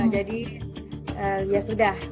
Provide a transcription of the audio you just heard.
jadi ya sudah